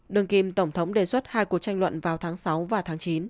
đường kim tổng thống đề xuất hai cuộc tranh luận vào tháng sáu và tháng chín